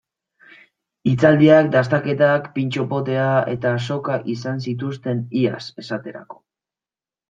Hitzaldiak, dastaketak, pintxo potea eta azoka izan zituzten iaz, esaterako.